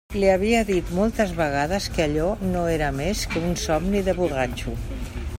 Li havia dit moltes vegades que allò no era més que un somni de borratxo.